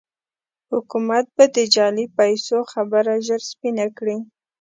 حکومت به د جعلي پيسو خبره ژر سپينه کړي.